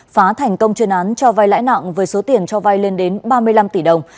phá thành công chuyên án cho vai lãi nặng với số tiền cho vay lên đến ba mươi năm tỷ đồng